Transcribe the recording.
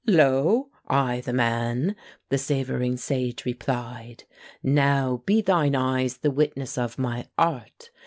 "Lo, I the man?" the savouring sage replied. "Now be thine eyes the witness of my art!